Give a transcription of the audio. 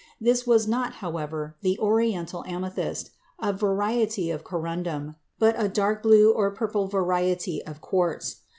This was not, however, the Oriental amethyst, a variety of corundum, but a dark blue or purple variety of quartz.